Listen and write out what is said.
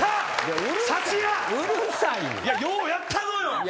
ようやったのよ！